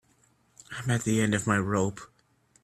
I'm at the end of my rope.